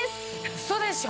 ウソでしょ？